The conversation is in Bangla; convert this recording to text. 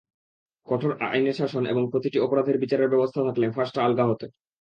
কঠোর আইনের শাসন এবং প্রতিটি অপরাধের বিচারের ব্যবস্থা থাকলে ফাঁসটা আলগা হতো।